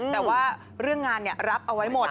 แต่ว่าเรื่องงานรับเอาไว้หมด